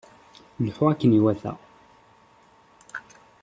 Lḥu akken iwata!